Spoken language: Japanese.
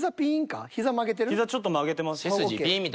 膝ちょっと曲げてます。